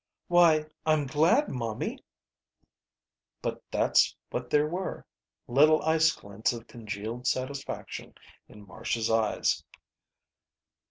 "Why, I'm glad, momie." But that's what there were, little ice glints of congealed satisfaction in Marcia's eyes.